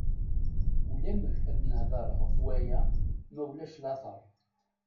Ulamek ad nehder ɣef waya ma ulac later.